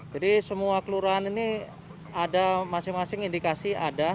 jadi semua kelurahan ini ada masing masing indikasi ada